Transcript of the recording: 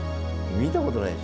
見たことないです。